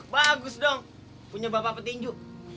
bagus dong punya bapak petinju